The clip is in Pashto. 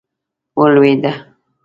ولوېده.